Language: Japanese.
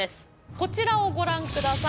こちらをご覧下さい。